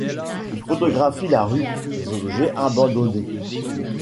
Il photographie la rue, des objets abandonnés.